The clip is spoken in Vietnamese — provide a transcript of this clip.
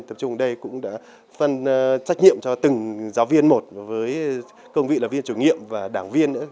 tập trung ở đây cũng đã phân trách nhiệm cho từng giáo viên một với cương vị là viên chủ nhiệm và đảng viên nữa